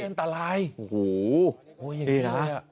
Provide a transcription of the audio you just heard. อันตรายโอ้โหโอ้ยยังไงนะ